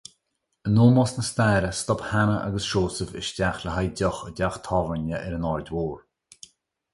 In ómós na staire, stop Hannah agus Seosamh isteach le haghaidh deoch i dteach tabhairne ar an Aird Mhór.